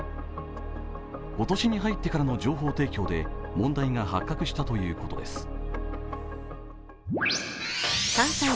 今年に入ってからの情報提供で問題が発覚したということです。